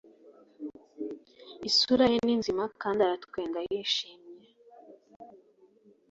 Isura ye ni nzima kandi aratwenga yishimye